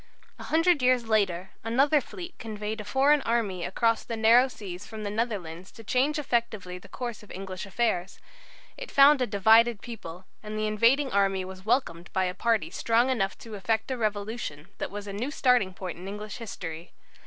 A hundred years later another fleet conveyed a foreign army across the narrow seas from the Netherlands to change effectively the course of English affairs. It found a divided people, and the invading army was welcomed by a party strong enough to effect a Revolution that was a new starting point in English history.